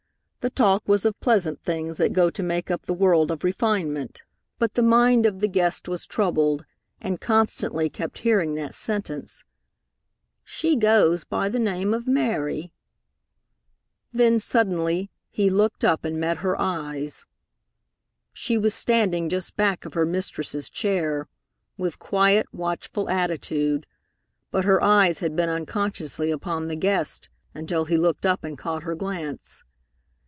The talk was of pleasant things that go to make up the world of refinement; but the mind of the guest was troubled, and constantly kept hearing that sentence, "She goes by the name of Mary." Then, suddenly, he looked up and met her eyes! She was standing just back of her mistress's chair, with quiet, watchful attitude, but her eyes had been unconsciously upon the guest, until he looked up and caught her glance.